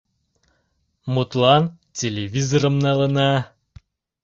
Мутлан, телевизорым налына.